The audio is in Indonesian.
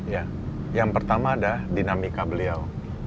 ya yang pertama ada dinamika beliau